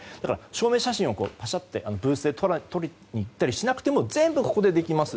証明写真をブースで撮りに行ったりしなくても全部ここでできます。